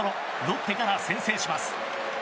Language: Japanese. ロッテから先制します。